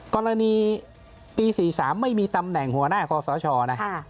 กรณีปี๔๓ไม่มีตำแหน่งหัวหน้าคอสชนะ